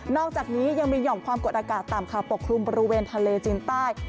อกจากนี้ยังมีห่อมความกดอากาศต่ำค่ะปกคลุมบริเวณทะเลจีนใต้